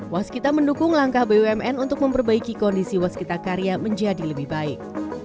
waskita mendukung langkah bumn untuk memperbaiki kondisi waskita karya menjadi lebih baik